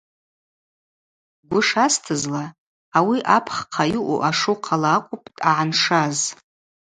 Гвы шастызла ауи апххъа йаъу ашухъала акӏвпӏ дъагӏаншаз.